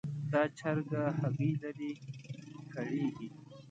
دا چرګه هګۍ لري؛ کړېږي.